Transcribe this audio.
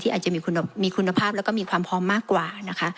ที่อาจจะมีคุณภาพและมีความพร้อมมากกว่า